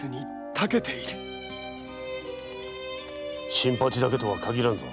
新八だけとは限らんぞ。